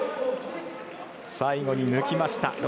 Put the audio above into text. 最後に抜きました。